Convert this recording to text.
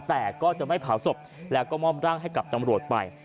แต่ก็จะไม่เผาศพแล้วก็มอบร่างให้กับตำรวจไป